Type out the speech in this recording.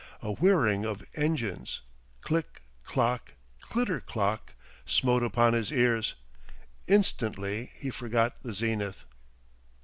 A whirring of engines, click, clock, clitter clock, smote upon his ears. Instantly he forgot the zenith.